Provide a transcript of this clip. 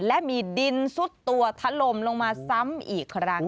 และมีดินซุดตัวถล่มลงมาซ้ำอีกครั้ง